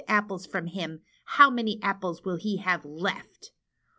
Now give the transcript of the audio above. apples from him, how many apples will he have left?"